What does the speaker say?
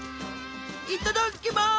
「いっただっきます！